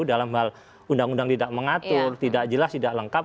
dalam hal undang undang tidak mengatur tidak jelas tidak lengkap